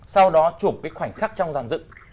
sau đó chụp cái khoảnh khắc trong dàn dựng